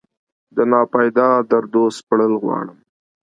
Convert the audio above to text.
دناپیدا دردو سپړل غواړم